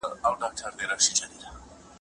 د پوهنتونونو دا ستونزي باید ژر تر ژره حل سي.